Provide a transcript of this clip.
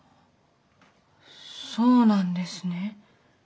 そうなんですね。